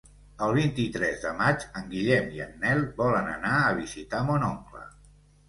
El vint-i-tres de maig en Guillem i en Nel volen anar a visitar mon oncle.